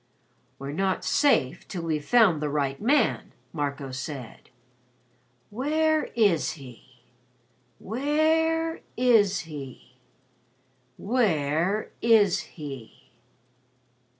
"We're not safe till we've found the right man," Marco said. "Where is he? Where is he? Where is he?"